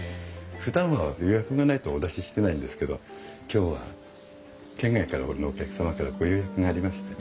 ふだんは予約がないとお出ししてないんですけど今日は県外からのお客様からご予約がありまして。